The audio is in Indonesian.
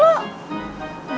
belum pacaran sama susan